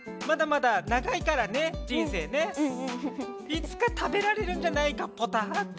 いつか食べられるんじゃないかポタって。